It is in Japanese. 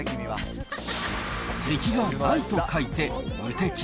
敵が無いと書いて無敵。